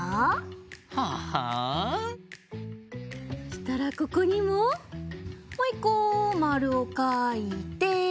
そしたらここにももう１こまるをかいて。